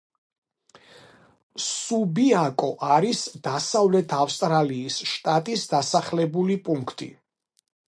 სუბიაკო არის დასავლეთ ავსტრალიის შტატის დასახლებული პუნქტი.